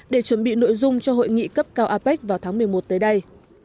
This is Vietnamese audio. để chuẩn bị nội dung cho hội nghị cấp cao apec vào tháng một mươi một tới đây